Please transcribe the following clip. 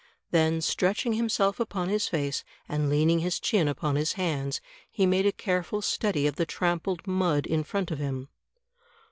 Then stretching himself upon his face and leaning his chin upon his hands, he made a careful study of the trampled mud in front of him.